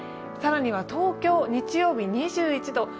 更には東京、日曜日２１度。